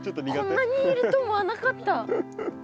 こんなにいると思わなかった。